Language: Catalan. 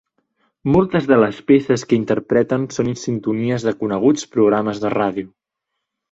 Moltes de les peces que interpreten són sintonies de coneguts programes de ràdio.